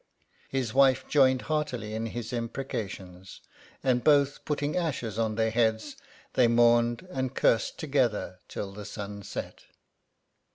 His wife joined heartily in his imprecations ; and both putting ashes on their heads, they mourned and cursed together till the sunset.